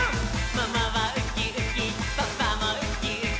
「ママはウキウキ」パパもウキウキ」